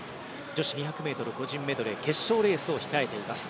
女子２００ｍ個人メドレー決勝レースを控えています。